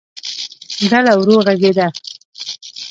ډله ورو غږېده.